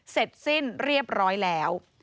เสร็จสิ้นเรียบร้อยแล้ว